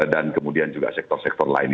dan kemudian juga sektor sektor lain